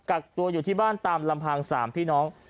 กักตัวอยู่ที่บ้านตามลำพัง๓พี่น้อง